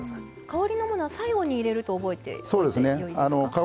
香りのものは最後に入れると覚えておいたらよいですか？